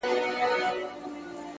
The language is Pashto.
پوهاند صدیق الله ریښتین ته